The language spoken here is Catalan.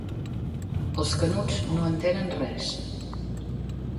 Els Canuts no entenen res.